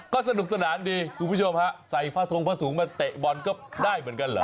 ก็สนุกสนานดีคุณผู้ชมฮะใส่ผ้าทงผ้าถุงมาเตะบอลก็ได้เหมือนกันเหรอ